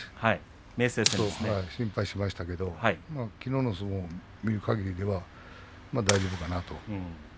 心配しましたけどきのうの相撲を見るかぎり大丈夫かなと。